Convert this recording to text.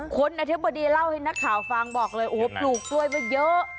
คุณอธิบดีเล่าให้นักข่าวฟังบอกเลยโอ้โหปลูกกล้วยมาเยอะ